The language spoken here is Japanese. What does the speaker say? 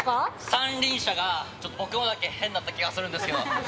三輪車が僕のだけ変だった気がするんですけど。